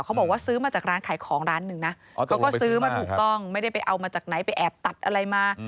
บอกว่าซื้อมาจากร้านขายของร้านหนึ่งนะเขาก็ซื้อมาถูกต้องไม่ได้ไปเอามาจากไหนไปแอบตัดอะไรมา